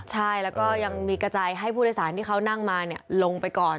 ใช่แล้วก็ยังมีกระจายให้ผู้โดยสารที่เขานั่งมาลงไปก่อน